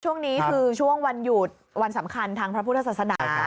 ช่วงนี้คือช่วงวันหยุดวันสำคัญทางพระพุทธศาสนา